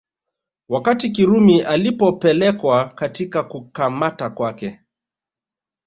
Wakati Kirumi alipopelekwa katika kukamata kwake